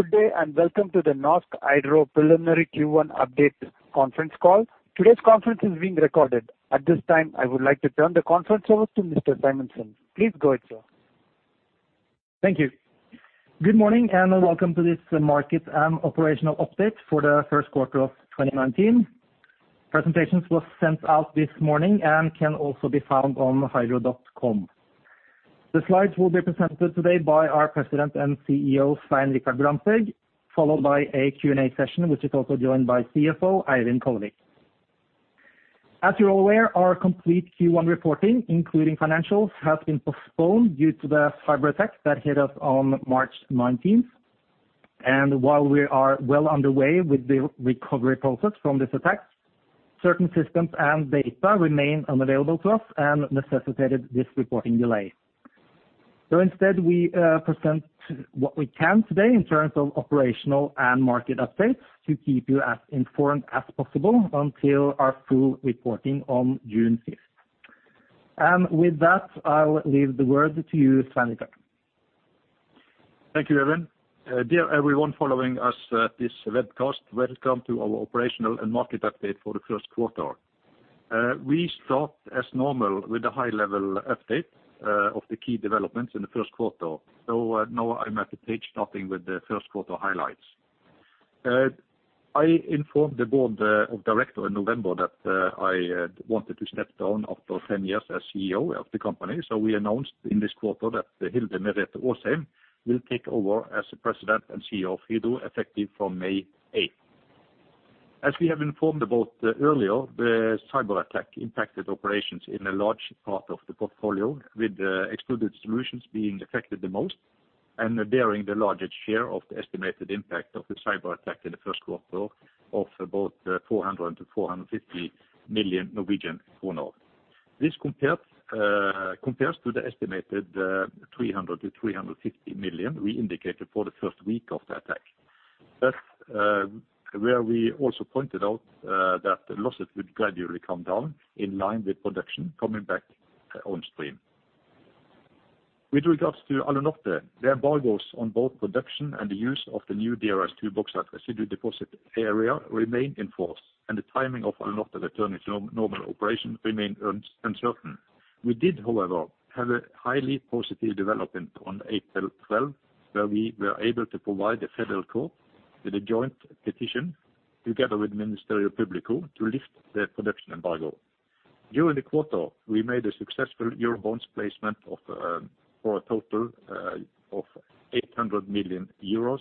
Good day and welcome to the Norsk Hydro Preliminary Q1 Update Conference Call. Today's conference is being recorded. At this time, I would like to turn the conference over to Mr. Simonsen. Please go ahead, sir. Thank you. Good morning and welcome to this market and operational update for the first quarter of 2019. Presentations were sent out this morning and can also be found on hydro.com. The slides will be presented today by our President and CEO, Svein Richard Brandtzæg, followed by a Q&A session, which is also joined by CFO, Eivind Kallevik. As you're aware, our complete Q1 reporting, including financials, has been postponed due to the cyber attack that hit us on March 19th. While we are well underway with the recovery process from this attack, certain systems and data remain unavailable to us and necessitated this reporting delay. Instead, we present what we can today in terms of operational and market updates to keep you as informed as possible until our full reporting on June 5th. With that, I'll leave the word to you, Svein Richard. Thank you, Even. Dear everyone following us at this webcast, welcome to our operational and market update for the first quarter. Now I'm at the page starting with the first quarter highlights. I informed the board of directors in November that I wanted to step down after 10 years as CEO of the company. We announced in this quarter that Hilde Merete Aasheim will take over as the President and CEO of Hydro, effective from May 8th. As we have informed about earlier, the cyber attack impacted operations in a large part of the portfolio, with Extruded Solutions being affected the most and bearing the largest share of the estimated impact of the cyber attack in the first quarter of about 400 million-450 million Norwegian kroner. This compares to the estimated 300 million-350 million we indicated for the first week of the attack. That's where we also pointed out that the losses would gradually come down in line with production coming back on stream. With regards to Alunorte, their embargoes on both production and the use of the new DRS2 box at residue deposit area remain in force, and the timing of Alunorte returning to normal operation remains uncertain. We did, however, have a highly positive development on April 12th, where we were able to provide the federal court with a joint petition together with Ministério Público to lift the production embargo. During the quarter, we made a successful Eurobonds placement for a total of 800 million euros,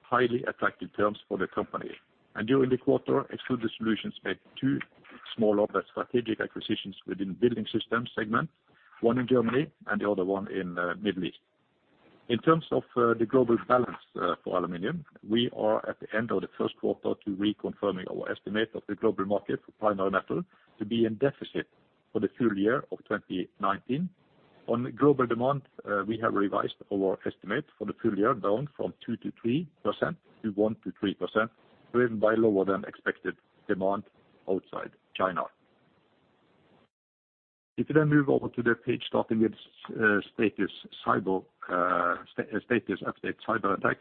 highly attractive terms for the company. During the quarter, Extruded Solutions made two smaller but strategic acquisitions within the building system segment, one in Germany and the other one in the Middle East. In terms of the global balance for aluminum, we are at the end of the first quarter reconfirming our estimate of the global market for primary metal to be in deficit for the full year of 2019. On global demand, we have revised our estimate for the full year down from 2%-3% to 1%-3%, driven by lower-than-expected demand outside China. If you then move over to the page starting with status update cyber attack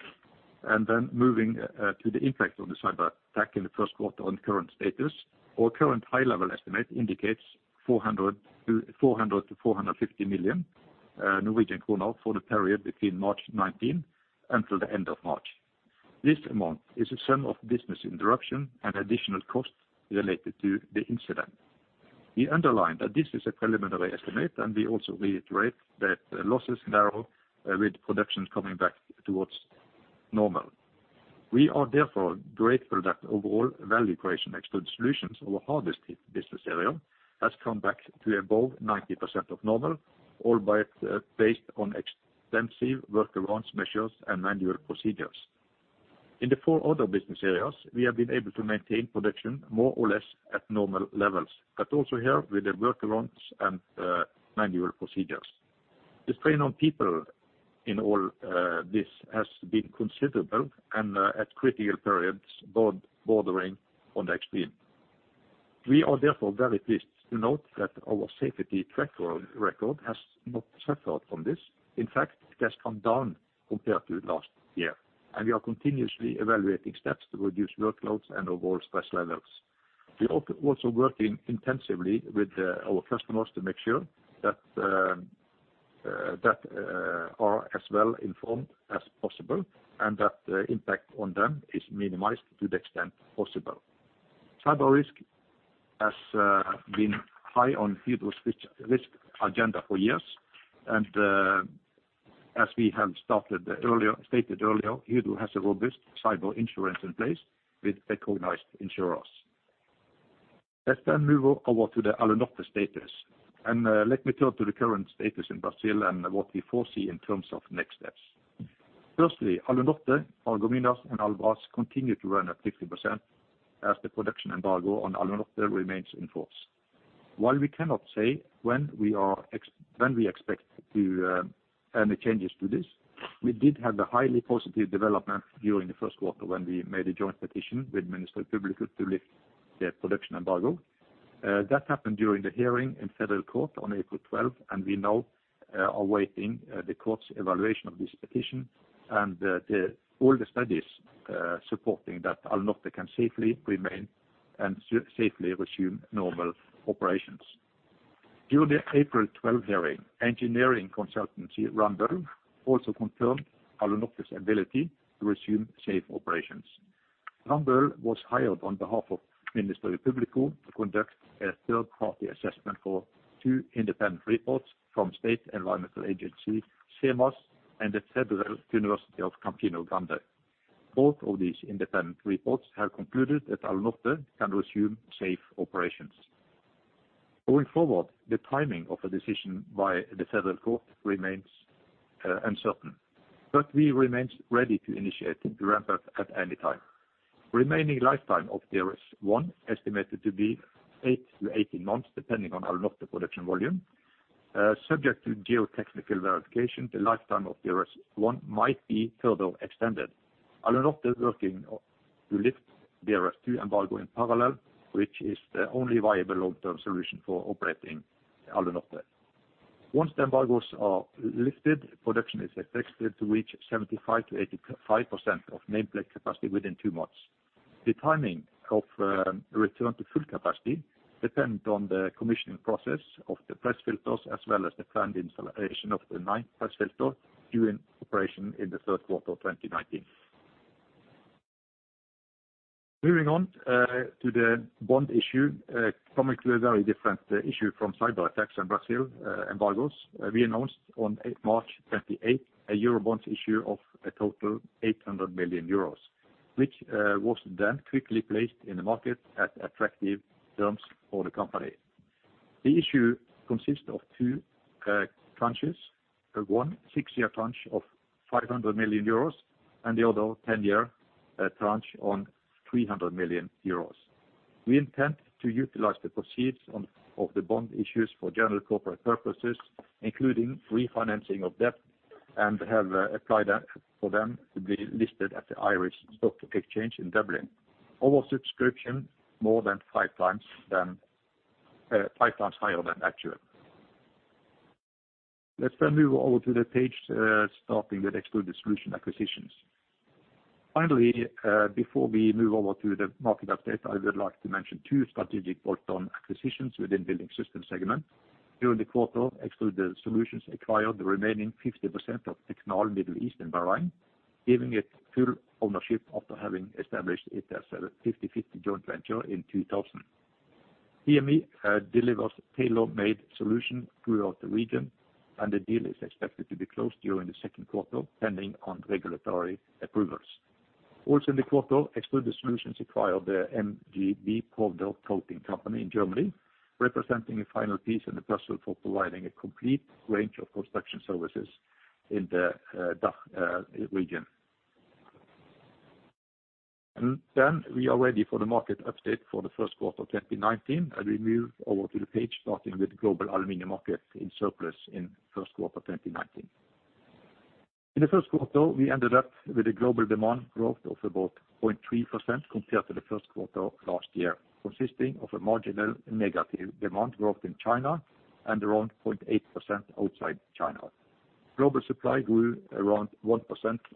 and then moving to the impact of the cyber attack in the first quarter on current status, our current high-level estimate indicates 400 million-450 million Norwegian kroner for the period between March 19th until the end of March. This amount is the sum of business interruption and additional costs related to the incident. We underline that this is a preliminary estimate, and we also reiterate that losses narrow with production coming back towards normal. We are therefore grateful that overall value creation Extruded Solutions over harvested business area has come back to above 90% of normal, all based on extensive workarounds measures and manual procedures. In the four other business areas, we have been able to maintain production more or less at normal levels, but also here with the workarounds and manual procedures. The strain on people in all this has been considerable and at critical periods bordering on the extreme. We are therefore very pleased to note that our safety track record has not suffered from this. In fact, it has come down compared to last year, and we are continuously evaluating steps to reduce workloads and overall stress levels. We are also working intensively with our customers to make sure that they are as well informed as possible and that the impact on them is minimized to the extent possible. Cyber risk has been high on Hydro's risk agenda for years, and as we have stated earlier, Hydro has a robust cyber insurance in place with recognized insurers. Let's move over to the Alunorte status, and let me turn to the current status in Brazil and what we foresee in terms of next steps. Firstly, Alunorte, Paragominas, and Albras continue to run at 50% as the production embargo on Alunorte remains in force. While we cannot say when we expect any changes to this, we did have a highly positive development during the first quarter when we made a joint petition with Ministério Público to lift the production embargo. That happened during the hearing in federal court on April 12th, and we now are awaiting the court's evaluation of this petition and all the studies supporting that Alunorte can safely resume normal operations. During the April 12th hearing, engineering consultancy Rambøll also confirmed Alunorte's ability to resume safe operations. Rambøll was hired on behalf of Ministério Público to conduct a third-party assessment for two independent reports from State Environmental Agency SEMAS and the Federal University of Campina Grande. Both of these independent reports have concluded that Alunorte can resume safe operations. Going forward, the timing of a decision by the federal court remains uncertain, but we remain ready to initiate ramp-up at any time. Remaining lifetime of DRS1, estimated to be 8-18 months depending on Alunorte production volume, subject to geotechnical verification, the lifetime of DRS1 might be further extended. Alunorte is working to lift DRS2 embargo in parallel, which is the only viable long-term solution for operating Alunorte. Once the embargoes are lifted, production is expected to reach 75%-85% of nameplate capacity within two months. The timing of return to full capacity depends on the commissioning process of the press filters as well as the planned installation of the ninth press filter during operation in the third quarter of 2019. Moving on to the bond issue, coming to a very different issue from cyber attacks in Brazil, embargoes, we announced on March 28 a Eurobonds issue of a total of 800 million euros, which was then quickly placed in the market at attractive terms for the company. The issue consists of two tranches: one 6-year tranche of 500 million euros and the other 10-year tranche of 300 million euros. We intend to utilize the proceeds of the bond issues for general corporate purposes, including refinancing of debt, and have applied for them to be listed at the Irish Stock Exchange in Dublin. Our subscription is more than 5 times higher than actual. Let's move over to the page starting with Extruded Solutions acquisitions. Finally, before we move over to the market update, I would like to mention two strategic bolt-on acquisitions within the building system segment. During the quarter, Extruded Solutions acquired the remaining 50% of Technal Middle East in Bahrain, giving it full ownership after having established it as a 50/50 joint venture in 2000. TME delivers tailor-made solutions throughout the region, and the deal is expected to be closed during the second quarter depending on regulatory approvals. Also in the quarter, Extruded Solutions acquired the MBG powder coating company in Germany, representing a final piece in the puzzle for providing a complete range of construction services in the region. We are ready for the market update for the first quarter of 2019, and we move over to the page starting with global aluminium market in surplus in first quarter 2019. In the first quarter, we ended up with a global demand growth of about 0.3% compared to the first quarter last year, consisting of a marginal negative demand growth in China and around 0.8% outside China. Global supply grew around 1%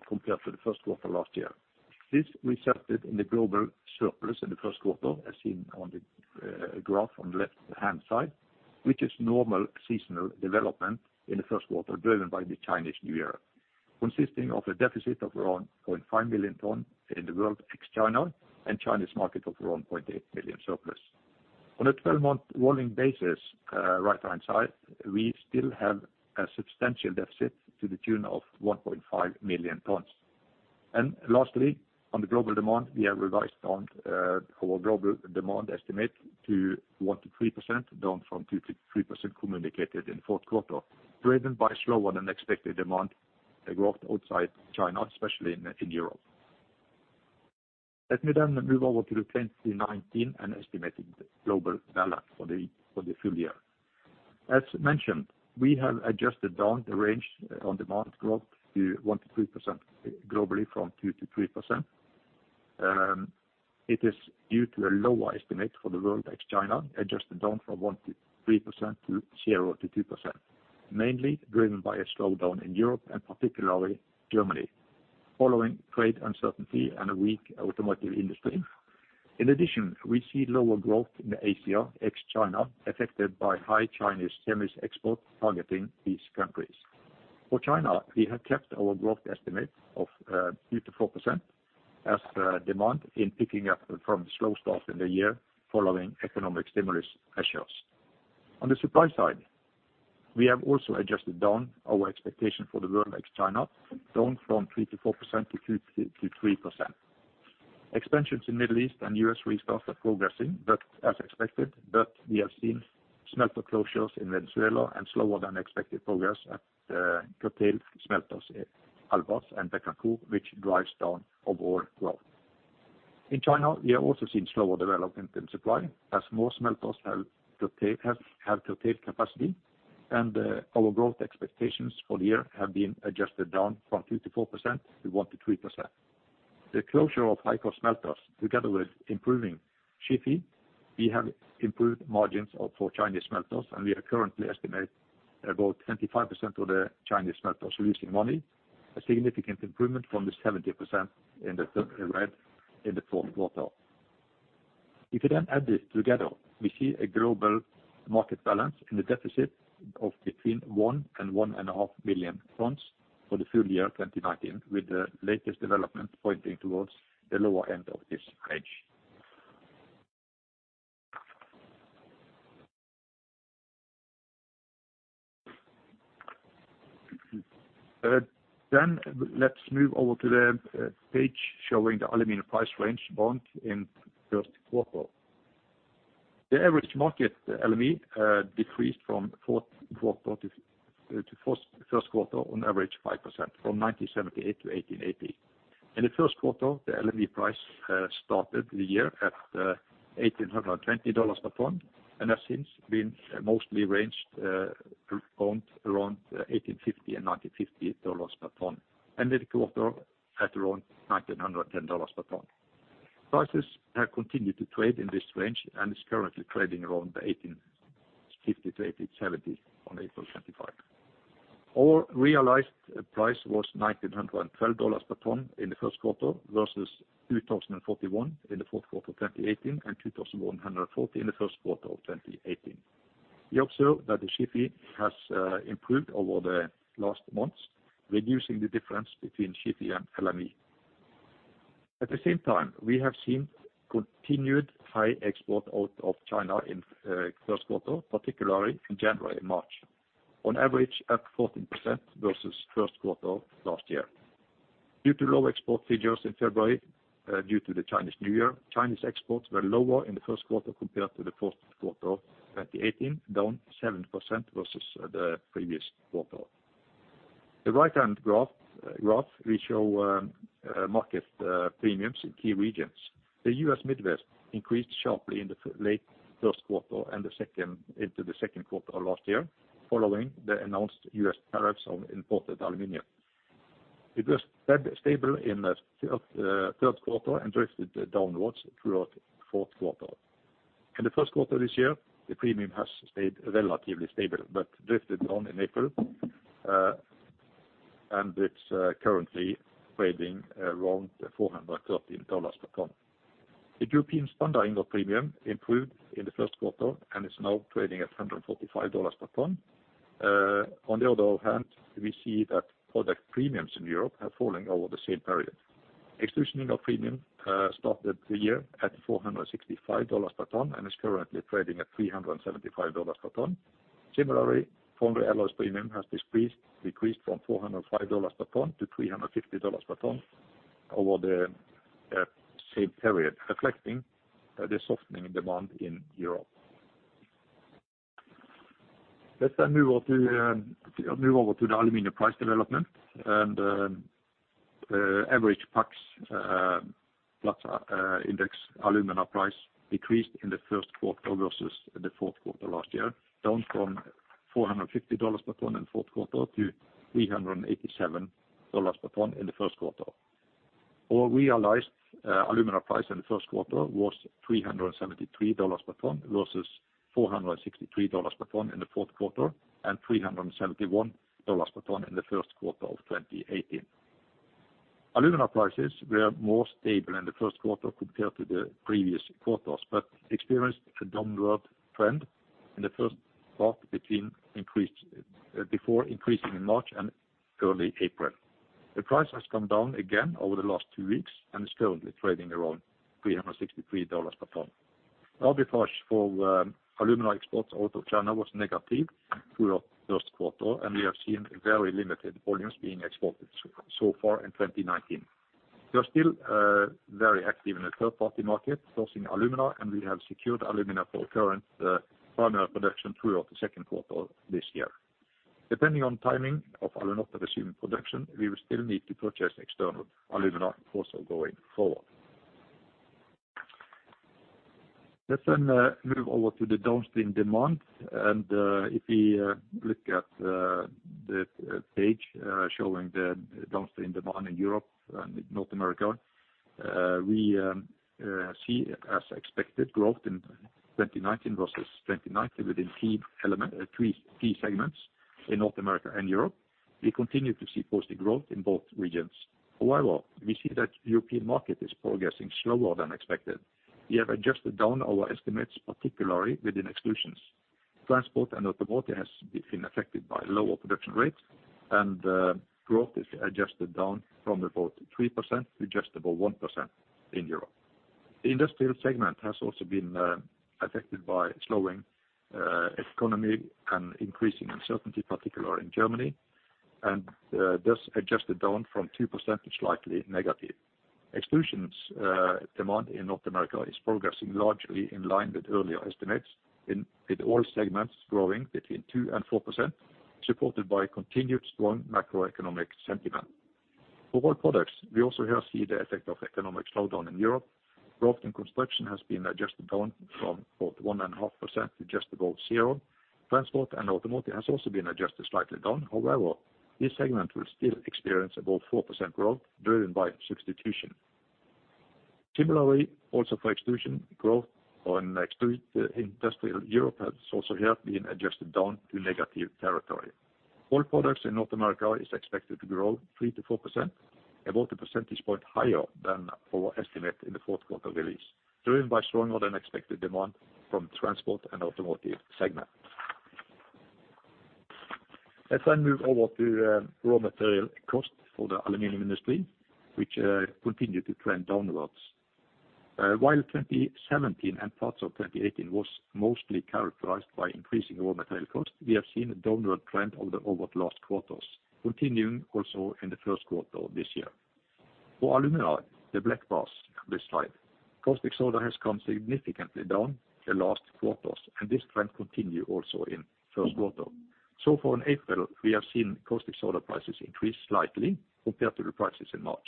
compared to the first quarter last year. This resulted in a global surplus in the first quarter, as seen on the graph on the left-hand side, which is normal seasonal development in the first quarter driven by the Chinese New Year, consisting of a deficit of around 0.5 million tonnes in the world ex-China and China's market of around 0.8 million surplus. On a 12-month rolling basis, right-hand side, we still have a substantial deficit to the tune of 1.5 million tonnes. Lastly, on the global demand, we have revised our global demand estimate to 1%-3%, down from 2%-3% communicated in the fourth quarter, driven by slower-than-expected demand growth outside China, especially in Europe. Let me move over to 2019 and estimate the global balance for the full year. As mentioned, we have adjusted down the range on demand growth to 1%-3% globally from 2%-3%. It is due to a lower estimate for the world ex-China, adjusted down from 1%-3% to 0%-2%, mainly driven by a slowdown in Europe and particularly Germany, following trade uncertainty and a weak automotive industry. In addition, we see lower growth in Asia ex-China, affected by high Chinese chemicals export targeting these countries. For China, we have kept our growth estimate of 2%-4% as demand in picking up from slow starts in the year following economic stimulus measures. The supply side, we have also adjusted down our expectation for the world ex-China, down from 3%-4% to 2%-3%. Expansions in the Middle East and U.S. restarts are progressing, as expected, we have seen smelter closures in Venezuela and slower-than-expected progress at curtailed smelters in Albras and Bécancour, which drives down overall growth. In China, we have also seen slower development in supply as more smelters have curtailed capacity, our growth expectations for the year have been adjusted down from 2%-4% to 1%-3%. The closure of high-cost smelters together with improving shipping, we have improved margins for Chinese smelters. We are currently estimating about 25% of the Chinese smelters losing money, a significant improvement from the 70% in the red in the fourth quarter. If you add this together, we see a global market balance in the deficit of between 1 and 1.5 million tons for the full year 2019, with the latest development pointing towards the lower end of this range. Let's move over to the page showing the aluminum price range bond in first quarter. The average market LME decreased from fourth quarter to first quarter on average 5%, from $1,978-$1,880. In the first quarter, the LME price started the year at $1,820 per tonne and has since been mostly ranged around $1,850 and $1,950 per tonne, ended the quarter at around $1,910 per tonne. Prices have continued to trade in this range and are currently trading around the $1,850-$1,870 on April 25th. Our realized price was $1,912 per tonne in the first quarter versus $2,041 in the fourth quarter of 2018 and $2,140 in the first quarter of 2018. We observe that the shipping has improved over the last months, reducing the difference between shipping and LME. At the same time, we have seen continued high export out of China in first quarter, particularly in January and March, on average at 14% versus first quarter last year. Due to low export figures in February due to the Chinese New Year, Chinese exports were lower in the first quarter compared to the fourth quarter of 2018, down 7% versus the previous quarter. The right-hand graph, we show market premiums in key regions. The US Midwest increased sharply in the late first quarter and into the second quarter of last year, following the announced US tariffs on imported aluminum. It was stable in the third quarter and drifted downwards throughout the fourth quarter. In the first quarter of this year, the premium has stayed relatively stable but drifted down in April, and it's currently trading around $413 per tonne. The European standard input premium improved in the first quarter and is now trading at $145 per tonne. On the other hand, we see that product premiums in Europe are falling over the same period. Extrusion input premium started the year at $465 per tonne and is currently trading at $375 per tonne. Similarly, foundry alloys premium has decreased from $405 per tonne to $350 per tonne over the same period, reflecting the softening demand in Europe. Let's move over to the aluminum price development, average PAX Platts Alumina Index alumina price decreased in the first quarter versus the fourth quarter last year, down from $450 per tonne in the fourth quarter to $387 per tonne in the first quarter. Our realized alumina price in the first quarter was $373 per tonne versus $463 per tonne in the fourth quarter and $371 per tonne in the first quarter of 2018. Alumina prices were more stable in the first quarter compared to the previous quarters experienced a downward trend in the first part before increasing in March and early April. The price has come down again over the last 2 weeks and is currently trading around $363 per tonne. Arbitrage for alumina exports out of China was negative throughout the 1st quarter, we have seen very limited volumes being exported so far in 2019. We are still very active in the third-party market sourcing alumina, we have secured alumina for current primary production throughout the 2nd quarter this year. Depending on timing of Alunorte resuming production, we will still need to purchase external alumina also going forward. Let's move over to the downstream demand, if we look at the page showing the downstream demand in Europe and North America, we see, as expected, growth in 2019 versus 2090 within key segments in North America and Europe. We continue to see positive growth in both regions. However, we see that the European market is progressing slower than expected. We have adjusted down our estimates, particularly within Extruded Solutions. Transport and automotive has been affected by lower production rates, and growth is adjusted down from about 3% to just about 1% in Europe. The industrial segment has also been affected by slowing economy and increasing uncertainty, particularly in Germany, and thus adjusted down from 2% to slightly negative. Extruded Solutions demand in North America is progressing largely in line with earlier estimates with all segments growing between 2% and 4%, supported by continued strong macroeconomic sentiment. For all products, we also here see the effect of economic slowdown in Europe. Growth in construction has been adjusted down from about 1.5% to just about 0. Transport and automotive has also been adjusted slightly down. This segment will still experience about 4% growth driven by substitution. Also for exclusion, growth in exclusive industrial Europe has also here been adjusted down to negative territory. All products in North America are expected to grow 3%-4%, about a percentage point higher than our estimate in the fourth quarter release, driven by stronger than expected demand from the transport and automotive segment. Let's then move over to raw material cost for the aluminium industry, which continued to trend downwards. While 2017 and parts of 2018 were mostly characterized by increasing raw material costs, we have seen a downward trend over the last quarters, continuing also in the first quarter this year. For alumina, the black bars on this slide, cost excess has come significantly down the last quarters, and this trend continued also in the first quarter. Far in April, we have seen cost excess prices increase slightly compared to the prices in March.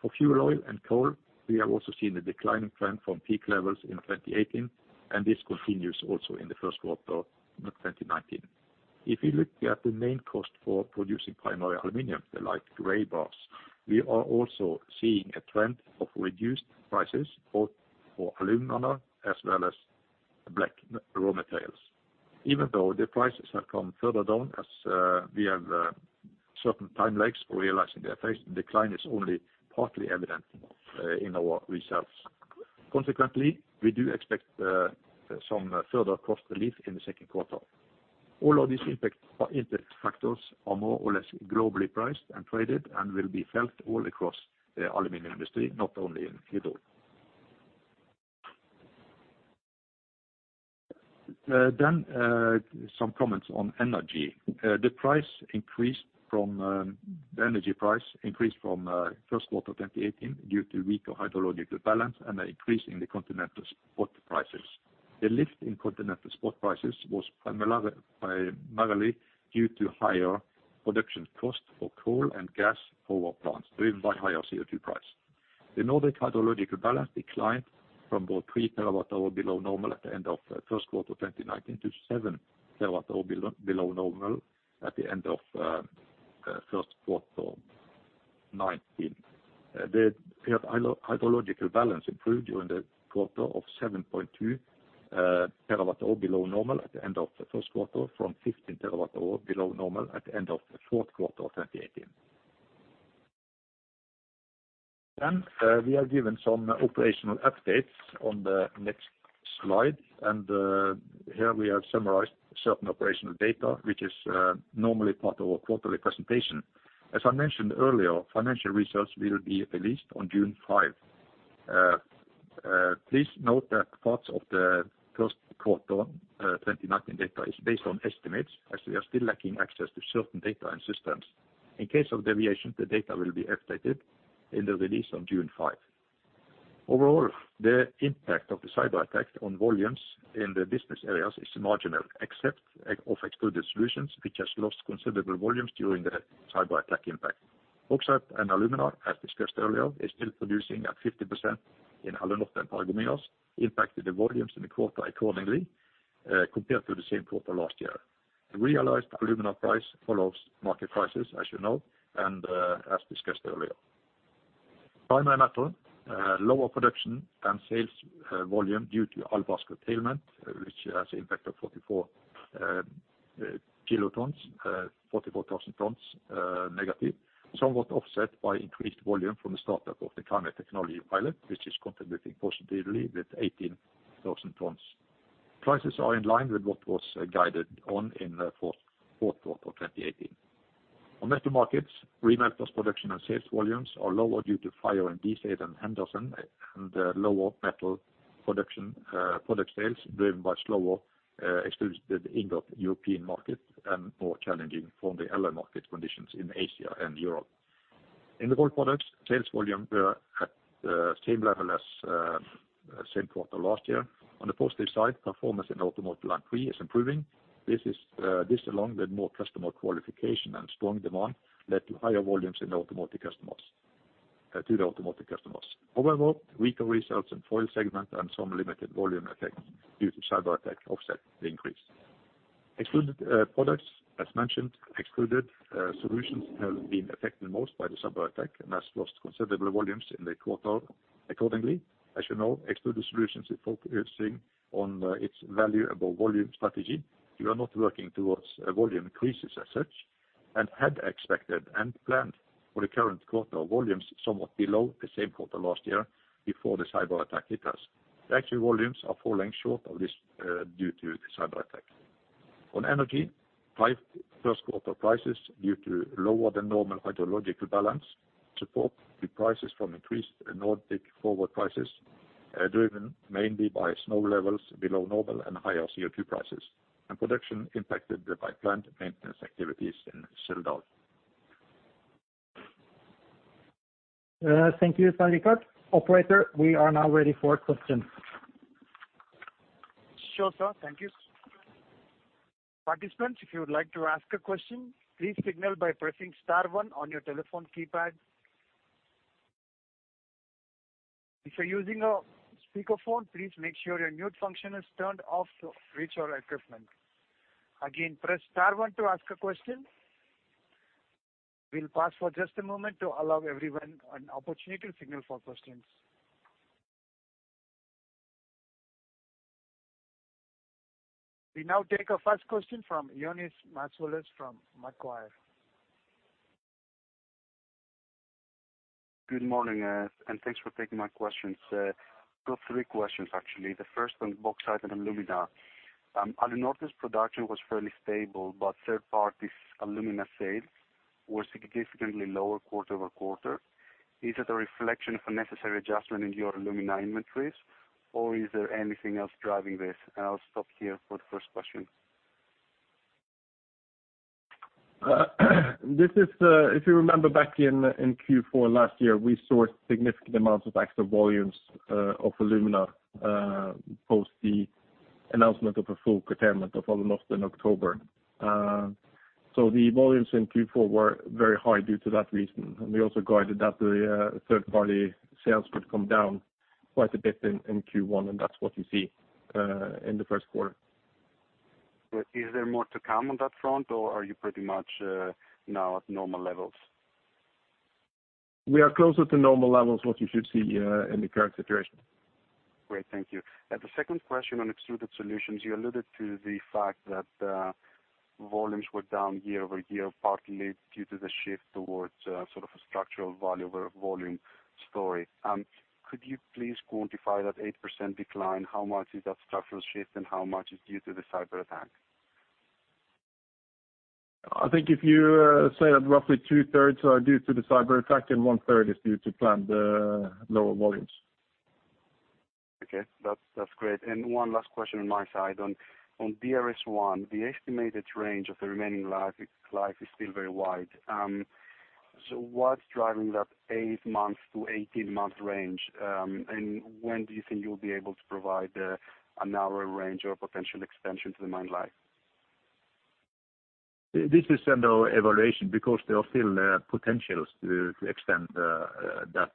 For fuel oil and coal, we have also seen a declining trend from peak levels in 2018, and this continues also in the first quarter of 2019. If we look at the main cost for producing primary aluminium, the light gray bars, we are also seeing a trend of reduced prices for alumina as well as black raw materials. Even though the prices have come further down as we have certain time lags for realizing their effects, the decline is only partly evident in our results. Consequently, we do expect some further cost relief in the second quarter. All of these impact factors are more or less globally priced and traded and will be felt all across the aluminium industry, not only in Hydro. Some comments on energy. The energy price increased from first quarter of 2018 due to weaker hydrological balance and an increase in the continental spot prices. The lift in continental spot prices was primarily due to higher production cost for coal and gas power plants, driven by higher CO2 price. The Nordic hydrological balance declined from about 3 terawatt-hours below normal at the end of first quarter of 2019 to 7 terawatt-hours below normal at the end of first quarter of 2019. The hydrological balance improved during the quarter of 7.2 terawatt-hours below normal at the end of the first quarter from 15 terawatt-hours below normal at the end of the fourth quarter of 2018. We are given some operational updates on the next slide, and here we have summarized certain operational data, which is normally part of our quarterly presentation. As I mentioned earlier, financial results will be released on June 5th. Please note that parts of the first quarter of 2019 data are based on estimates as we are still lacking access to certain data and systems. In case of deviations, the data will be updated in the release on June 5th. Overall, the impact of the cyber attack on volumes in the business areas is marginal, except for Extruded Solutions, which have lost considerable volumes during the cyber attack impact. Oxide and alumina, as discussed earlier, are still producing at 50% in Alunorte and Paragominas, impacting the volumes in the quarter accordingly compared to the same quarter last year. The realized alumina price follows market prices, as you know, and as discussed earlier. Primary metal, lower production and sales volume due to Albras curtailment, which has an impact of 44 kilotonnes, 44,000 tons negative, somewhat offset by increased volume from the startup of the Karmøy Technology Pilot, which is contributing positively with 18,000 tons. Prices are in line with what was guided on in the fourth quarter of 2018. On metal markets, remelted production and sales volumes are lower due to fire in DSA than Henderson and lower metal product sales driven by slower exclusive input in the European market and more challenging from the alloy market conditions in Asia and Europe. In the raw products, sales volumes were at the same level as same quarter last year. On the positive side, performance in automotive like we are improving. This is along with more customer qualification and strong demand led to higher volumes in the automotive customers. However, weaker results in foil segment and some limited volume effects due to cyber attack offset increase. Extruded Solutions, as mentioned, Extruded Solutions have been affected most by the cyber attack and have lost considerable volumes in the quarter accordingly. As you know, Extruded Solutions are focusing on its value above volume strategy. We are not working towards volume increases as such and had expected and planned for the current quarter volumes somewhat below the same quarter last year before the cyber attack hit us. The actual volumes are falling short of this due to the cyber attack. On energy, first quarter prices due to lower than normal hydrological balance support the prices from increased Nordic forward prices, driven mainly by snow levels below normal and higher CO2 prices, and production impacted by planned maintenance activities in Sunndal. Thank you, Svein Richard. Operator, we are now ready for questions. Sure, sir. Thank you. Participants, if you would like to ask a question, please signal by pressing star one on your telephone keypad. If you're using a speakerphone, please make sure your mute function is turned off to reach your equipment. Again, press star 1 to ask a question. We'll pause for just a moment to allow everyone an opportunity to signal for questions. We now take our first question from Ioannis Masvoulas from Macquarie. Good morning, thanks for taking my questions. Got three questions, actually. The first on bauxite and alumina. Alunorte's production was fairly stable, but third-party alumina sales were significantly lower quarter-over-quarter. Is it a reflection of a necessary adjustment in your alumina inventories, or is there anything else driving this? I'll stop here for the first question. If you remember back in Q4 last year, we sourced significant amounts of extra volumes of alumina post the announcement of a full curtailment of Alunorte in October. The volumes in Q4 were very high due to that reason, and we also guided that the third-party sales could come down quite a bit in Q1, and that's what you see in the first quarter. Is there more to come on that front, or are you pretty much now at normal levels? We are closer to normal levels, what you should see in the current situation. Great. Thank you. The second question on Extruded Solutions, you alluded to the fact that volumes were down year-over-year, partly due to the shift towards sort of a structural volume story. Could you please quantify that 8% decline? How much is that structural shift, and how much is due to the cyber attack? I think if you say that roughly 2/3 are due to the cyber attack and 1/3 is due to planned lower volumes. Okay. That's great. One last question on my side. On DRS1, the estimated range of the remaining life is still very wide. What's driving that 8-month to 18-month range? When do you think you'll be able to provide an hour range or potential extension to the mine life? This is under evaluation because there are still potentials to extend the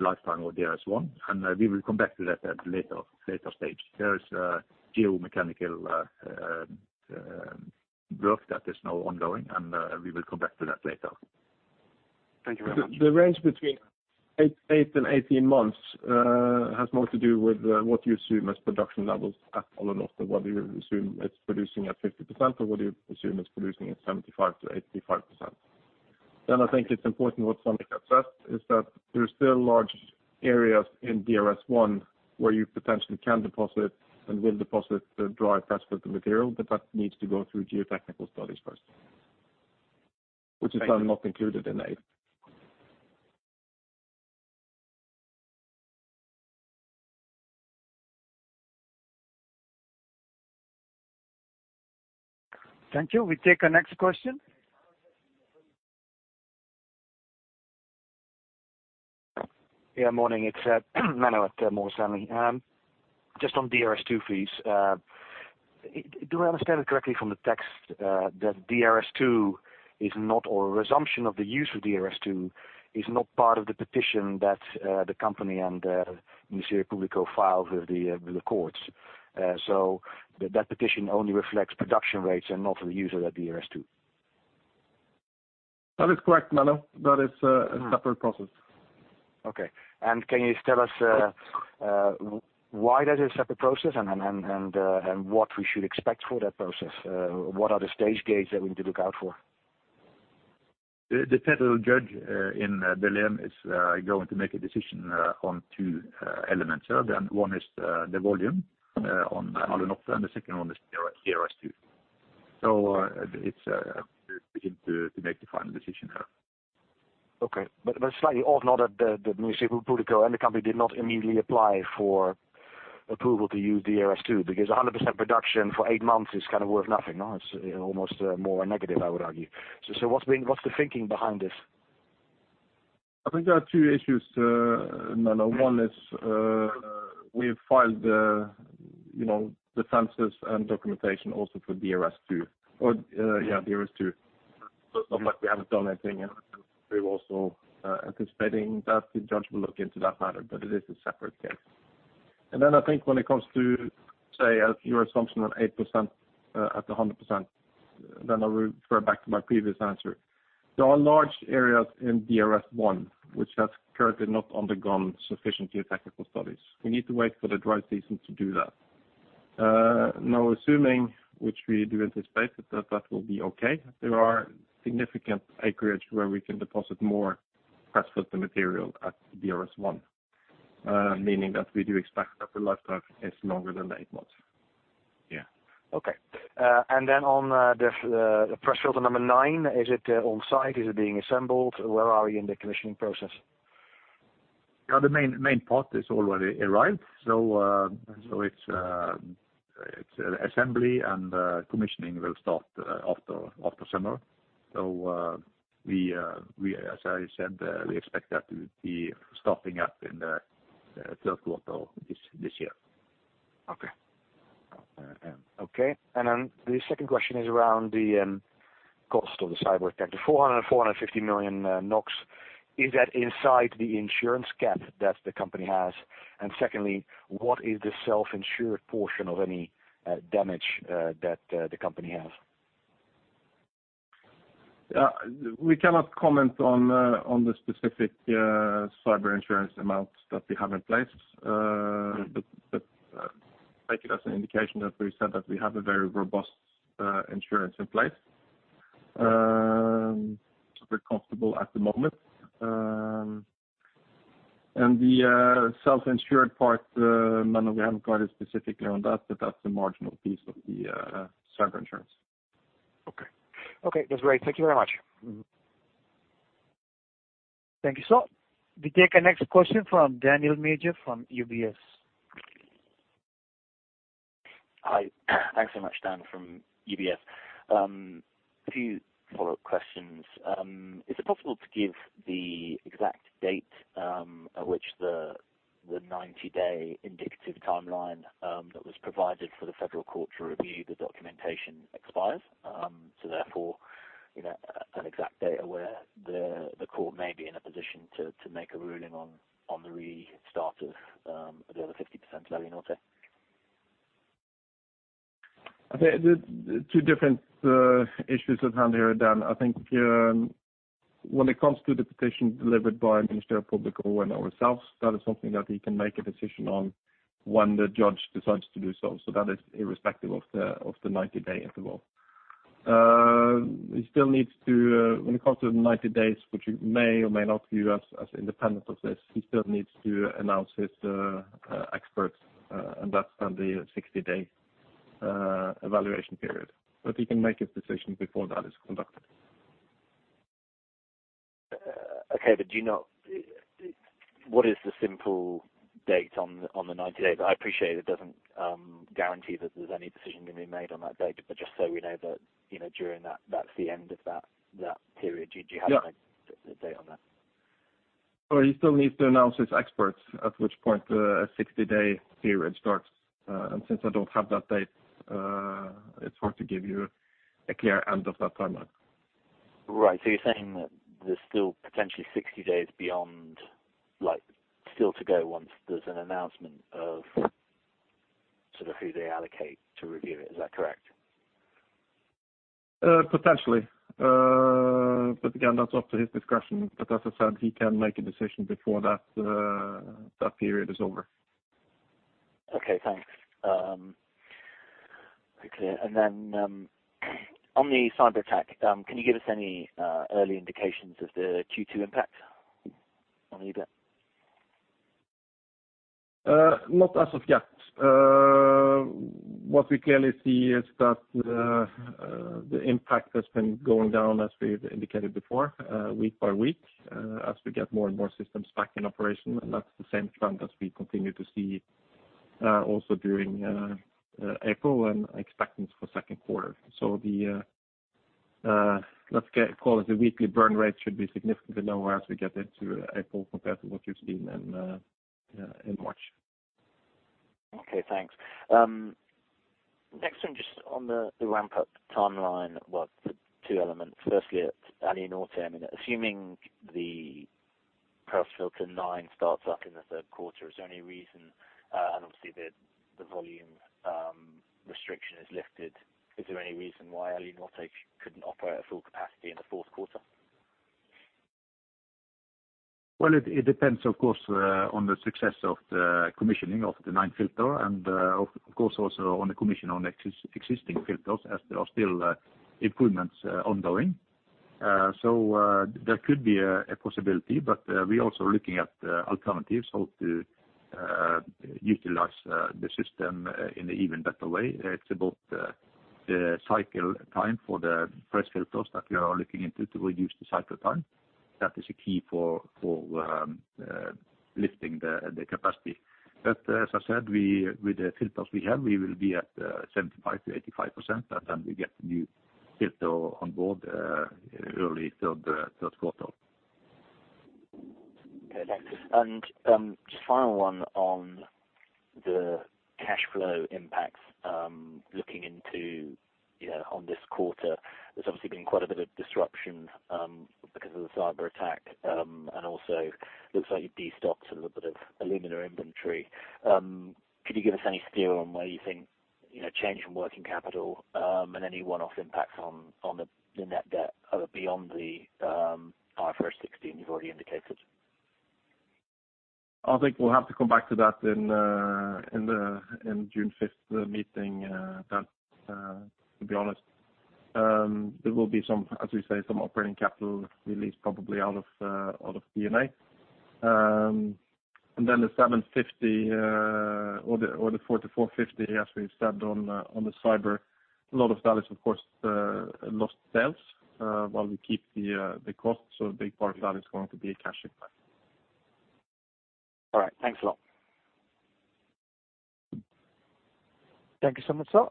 lifetime of DRS1, and we will come back to that at a later stage. There is geomechanical work that is now ongoing, and we will come back to that later. Thank you very much. The range between 8 and 18 months has more to do with what you assume as production levels at Alunorte, whether you assume it's producing at 50% or whether you assume it's producing at 75%-85%. I think it's important what Sonic assessed is that there are still large areas in DRS1 where you potentially can deposit and will deposit the dry precipitate material, but that needs to go through geotechnical studies first, which is then not included in 8. Thank you. We take our next question. Yeah. Morning. It's Menno at Morgan Stanley. Just on DRS2 fees, do I understand it correctly from the text that DRS2 is not or a resumption of the use of DRS2 is not part of the petition that the company and Ministério Público filed with the courts? That petition only reflects production rates and not the use of that DRS2. That is correct, Menno. That is a separate process. Can you tell us why that is a separate process and what we should expect for that process? What are the stage gates that we need to look out for? The federal judge in Belém is going to make a decision on two elements here. One is the volume on Alunorte, and the second one is DRS2. To begin to make the final decision here. Slightly off note, the Ministério Público and the company did not immediately apply for approval to use DRS2 because 100% production for eight months is kind of worth nothing, no? It's almost more negative, I would argue. What's the thinking behind this? I think there are two issues, Menno. One is we have filed the census and documentation also for DRS2 or DRS2. It's not like we haven't done anything. We were also anticipating that the judge will look into that matter, it is a separate case. I think when it comes to. Say your assumption on 8% at 100%, I'll refer back to my previous answer. There are large areas in DRS1 which have currently not undergone sufficient geotechnical studies. We need to wait for the dry season to do that. Assuming. Which we do anticipate that that will be okay. There are significant acreage where we can deposit more precipitate material at DRS1, meaning that we do expect that the lifetime is longer than the eight months. Yeah. Okay. On the press filter number 9, is it on site? Is it being assembled? Where are we in the commissioning process? Yeah. The main part is already arrived, so it's assembly and commissioning will start after summer. As I said, we expect that to be starting up in the third quarter of this year. Okay. Okay. The second question is around the cost of the cyber attack. The 400 million-450 million NOK, is that inside the insurance cap that the company has? Secondly, what is the self-insured portion of any damage that the company has? We cannot comment on the specific cyber insurance amounts that we have in place, but take it as an indication that we said that we have a very robust insurance in place. We're comfortable at the moment. The self-insured part, Menno, we haven't guided specifically on that, but that's a marginal piece of the cyber insurance. Okay. Okay. That's great. Thank you very much. Thank you, sir. We take our next question from Daniel Major from UBS. Hi. Thanks so much, Dan, from UBS. A few follow-up questions. Is it possible to give the exact date at which the 90-day indicative timeline that was provided for the federal court to review the documentation expires? Therefore, an exact date where the court may be in a position to make a ruling on the restart of the other 50% of Alunorte. I think there are two different issues at hand here, Dan. I think when it comes to the petition delivered by Ministério Público and ourselves, that is something that he can make a decision on when the judge decides to do so. That is irrespective of the 90-day interval. He still needs to when it comes to the 90 days, which he may or may not view as independent of this, he still needs to announce his experts, and that's then the 60-day evaluation period. He can make his decision before that is conducted. Okay. What is the simple date on the 90 days? I appreciate it doesn't guarantee that there's any decision going to be made on that date, but just so we know that during that's the end of that period. Do you have a date on that? He still needs to announce his experts, at which point a 60-day period starts. Since I don't have that date, it's hard to give you a clear end of that timeline. Right. You're saying that there's still potentially 60 days beyond still to go once there's an announcement of sort of who they allocate to review it. Is that correct? Potentially. Again, that's up to his discretion. As I said, he can make a decision before that period is over. Okay. Thanks. Okay. On the cyber attack, can you give us any early indications of the Q2 impact on EBIT? Not as of yet. What we clearly see is that the impact has been going down, as we've indicated before, week by week as we get more and more systems back in operation. That's the same trend that we continue to see also during April and expectance for second quarter. Let's call it the weekly burn rate should be significantly lower as we get into April compared to what you've seen in March. Okay. Thanks. Next one, just on the ramp-up timeline, well, two elements. At Alunorte, I mean, assuming the press filter 9 starts up in the third quarter, is there any reason and obviously, the volume restriction is lifted, is there any reason why Alunorte couldn't operate at full capacity in the fourth quarter? It depends, of course, on the success of the commissioning of the 9th filter and, of course, also on the commission on existing filters as there are still improvements ongoing. There could be a possibility, but we are also looking at alternatives how to utilize the system in an even better way. It's about the cycle time for the press filters that we are looking into to reduce the cycle time. That is a key for lifting the capacity. As I said, with the filters we have, we will be at 75%-85%, and then we get a new filter on board early third quarter. Okay. Thanks. Just final one on the cash flow impacts looking into on this quarter. There's obviously been quite a bit of disruption because of the cyber attack, and also it looks like you've destocked a little bit of alumina inventory. Could you give us any steer on where you think change in working capital and any one-off impacts on the net debt beyond the IFRS 16 you've already indicated? I think we'll have to come back to that in June 5th meeting, Dan, to be honest. There will be some, as we say, some operating capital release probably out of P&A. The 750 or the 4,450, as we've said, on the cyber, a lot of that is, of course, lost sales while we keep the costs. A big part of that is going to be a cash impact. All right. Thanks a lot. Thank you so much, sir.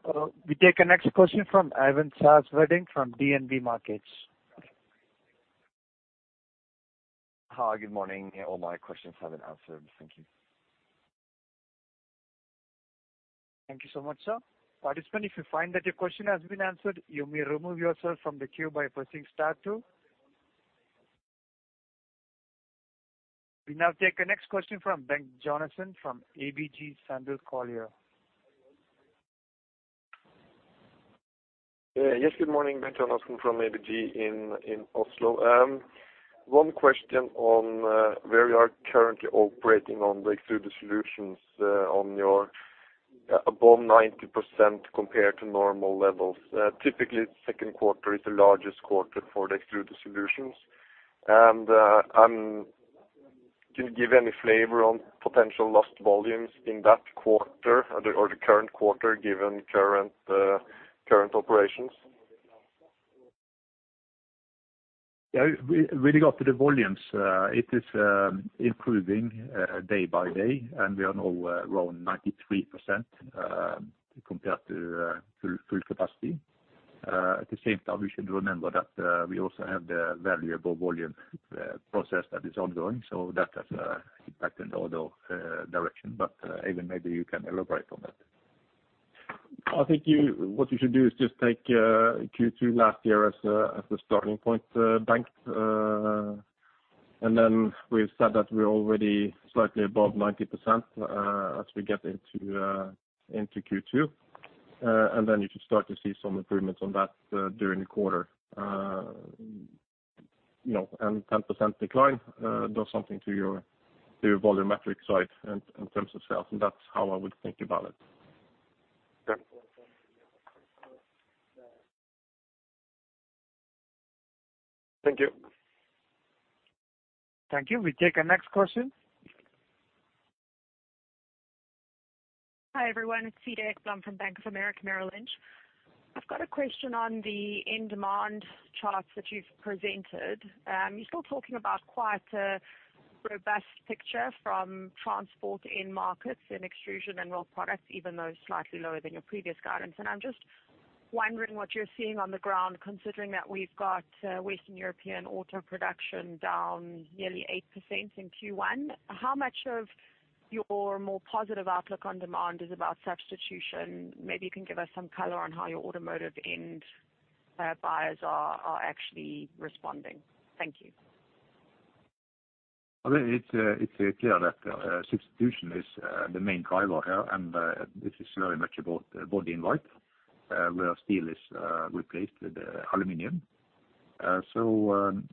We take our next question from Eivind Sars Veddeng from DNB Markets. Hi. Good morning. All my questions have been answered. Thank you. Thank you so much, sir. Participant, if you find that your question has been answered, you may remove yourself from the queue by pressing star 2. We now take our next question from Bengt Jonassen from ABG Sundal Collier. Good morning. Bengt Jonassen from ABG in Oslo. One question on where we are currently operating on the Extruded Solutions on your above 90% compared to normal levels. Typically, 2Q is the largest quarter for the Extruded Solutions. Can you give any flavor on potential lost volumes in that quarter or the current quarter given current operations? Yeah. Really got to the volumes. it is improving day by day, and we are now around 93% compared to full capacity. At the same time, we should remember that we also have the valuable volume process that is ongoing. That has an impact in the other direction. Eivind, maybe you can elaborate on that. I think what you should do is just take 2Q last year as the starting point, Bank. We've said that we're already slightly above 90% as we get into Q2. You should start to see some improvements on that during the quarter. 10% decline does something to your volumetric side in terms of sales, and that's how I would think about it. Okay. Thank you. Thank you. We take our next question. Hi, everyone. It's from Bank of America Merrill Lynch. I've got a question on the in-demand charts that you've presented. You're still talking about quite a robust picture from transport in markets in extrusion and raw products, even though slightly lower than your previous guidance. I'm just wondering what you're seeing on the ground considering that we've got Western European auto production down nearly 8% in Q1. How much of your more positive outlook on demand is about substitution? Maybe you can give us some color on how your automotive end buyers are actually responding. Thank you. I think it's clear that substitution is the main driver here, and this is very much about body in white where steel is replaced with aluminium.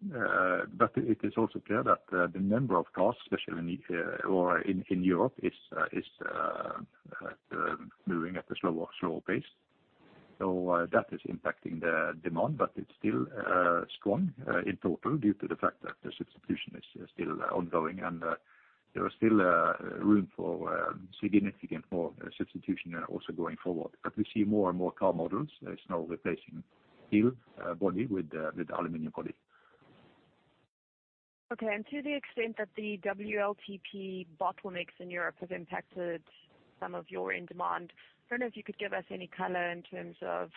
It is also clear that the number of cars, especially in Europe, is moving at a slower pace. That is impacting the demand, but it's still strong in total due to the fact that the substitution is still ongoing. There is still room for significant more substitution also going forward. We see more and more car models now replacing steel body with aluminium body. Okay. To the extent that the WLTP bottlenecks in Europe have impacted some of your in-demand, I don't know if you could give us any color in terms of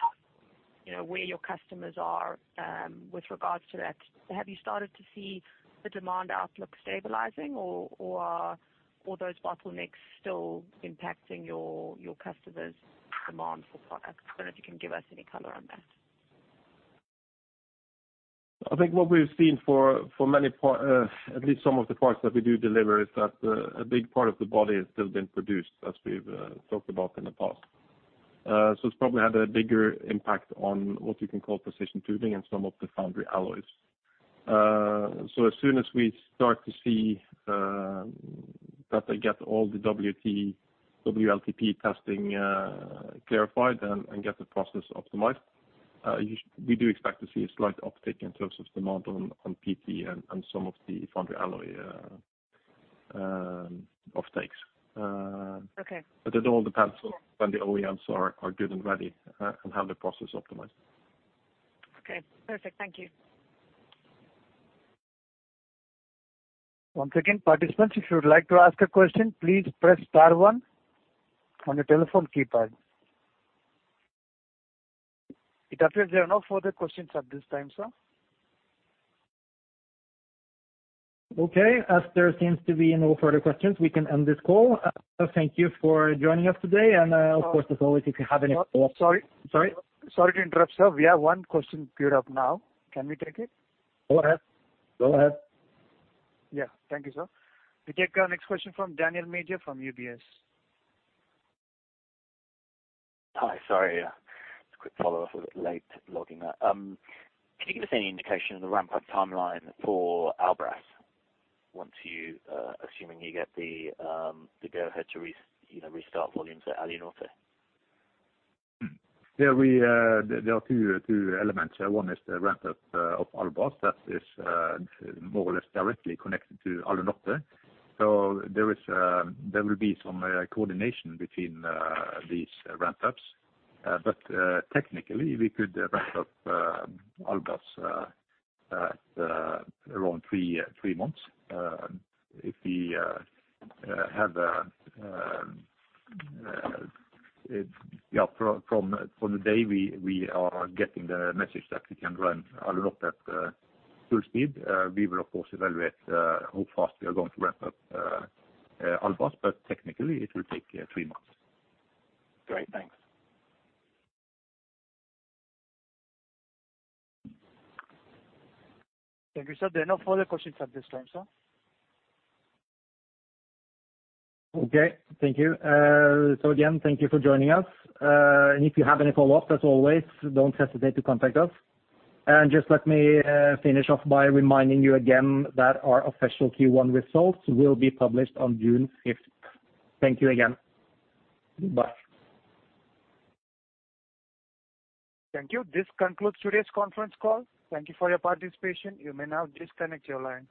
where your customers are with regards to that. Have you started to see the demand outlook stabilizing, or are those bottlenecks still impacting your customers' demand for products? I don't know if you can give us any color on that. I think what we've seen for many at least some of the parts that we do deliver is that a big part of the body has still been produced, as we've talked about in the past. It's probably had a bigger impact on what you can call precision tubing and some of the foundry alloys. As soon as we start to see that they get all the WLTP testing clarified and get the process optimized, we do expect to see a slight uptick in terms of demand on PT and some of the foundry alloy offtakes. It all depends on when the OEMs are good and ready and have the process optimized. Okay. Perfect. Thank you. One second. Participants, if you would like to ask a question, please press star one on your telephone keypad. It appears there are no further questions at this time, sir. Okay. As there seems to be no further questions, we can end this call. Thank you for joining us today. Of course, as always, if you have any follow-up Sorry? Sorry to interrupt, sir. We have 1 question geared up now. Can we take it? Go ahead. Yeah. Thank you, sir. We take our next question from Daniel Major from UBS. Hi. Sorry. It's a quick follow-up. A bit late logging up. Can you give us any indication of the ramp-up timeline for Albras once assuming you get the go-ahead to restart volumes at Alunorte? Yeah. There are two elements. One is the ramp-up of Albras that is more or less directly connected to Alunorte. There will be some coordination between these ramp-ups. Technically, we could ramp up Albras around three months if we have yeah. From the day we are getting the message that we can run Alunorte at full speed, we will, of course, evaluate how fast we are going to ramp up Albras. Technically, it will take three months. Great. Thanks. Thank you, sir. There are no further questions at this time, sir. Okay. Thank you. Again, thank you for joining us. If you have any follow-ups, as always, don't hesitate to contact us. Just let me finish off by reminding you again that our official Q1 results will be published on June 5th. Thank you again. Goodbye. Thank you. This concludes today's conference call. Thank you for your participation. You may now disconnect your line.